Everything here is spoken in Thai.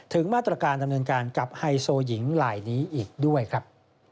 มาตรการดำเนินการกับไฮโซหญิงลายนี้อีกด้วยครับ